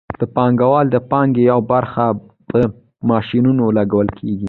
د پانګوال د پانګې یوه برخه په ماشینونو لګول کېږي